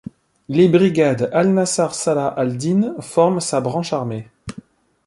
Les Brigades Al-Nasser Salah al-Din forment sa branche armée.